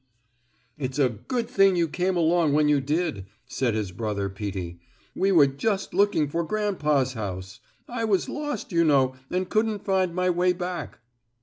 "It's a good thing you came along when you did," said his brother Peetie. "We were just looking for grandpa's house. I was lost, you know, and couldn't find my way back."